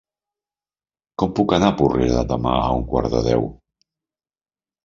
Com puc anar a Porrera demà a un quart de deu?